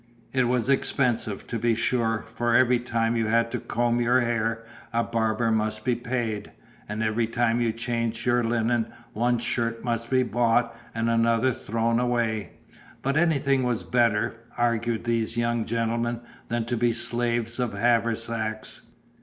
It was expensive, to be sure; for every time you had to comb your hair, a barber must be paid, and every time you changed your linen, one shirt must be bought and another thrown away; but anything was better (argued these young gentlemen) than to be the slaves of haversacks.